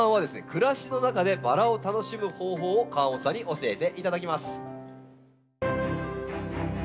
暮らしの中でバラを楽しむ方法を河本さんに教えていただきます。